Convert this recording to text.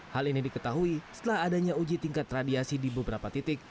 hal ini diketahui setelah adanya uji tingkat radiasi di beberapa titik